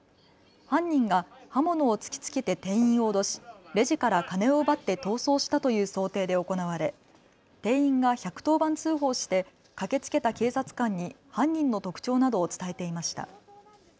犯人が刃物を突きつけて店員を脅し、レジから金を奪って逃走したという想定で行われ店員が１１０番通報して駆けつけた警察官に犯人の特徴などを伝えていました。